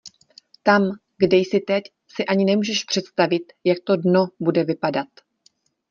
Tam, kde jsi teď, si ani nemůžeš představit, jak to dno bude vypadat.